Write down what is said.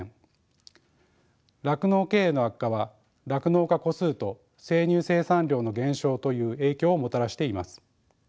酪農経営の悪化は酪農家戸数と生乳生産量の減少という影響をもたらしています。